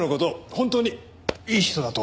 本当にいい人だと思うよ。